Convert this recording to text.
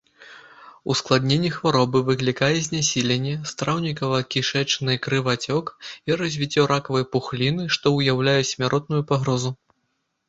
Ускладненне хваробы выклікае знясіленне, страўнікава-кішачны крывацёк і развіццё ракавай пухліны, што ўяўляе смяротную пагрозу.